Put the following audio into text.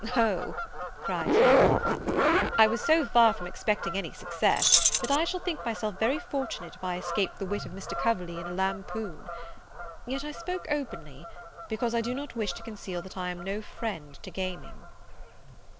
"O," cried he, laughing, "I was so far from expecting any success, that I shall think myself very fortunate if I escape the wit of Mr. Coverley in a lampoon! yet I spoke openly, because I do not wish to conceal that I am no friend to gaming."